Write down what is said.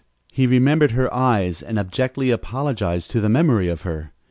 He remembered her eyes and abjectly apologized to the memory of her.